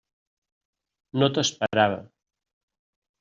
No t'esperava.